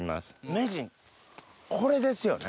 名人これですよね？